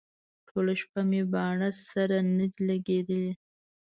ټوله شپه مې باڼه سره نه دي لګېدلي.